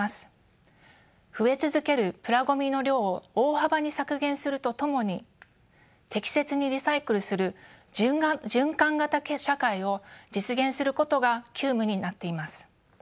増え続けるプラごみの量を大幅に削減するとともに適切にリサイクルする循環型社会を実現することが急務になっています。